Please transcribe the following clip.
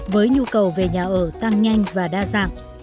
với nhu cầu về nhà ở tăng nhanh và đa dạng